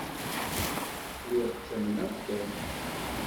Lliɣ ttamneɣ kan.